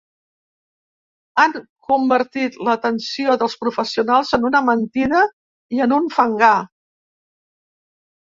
Han convertit l’atenció dels professionals en una mentida i en un fangar.